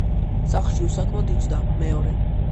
სახლში უსაქმოდ იჯდა. მეორე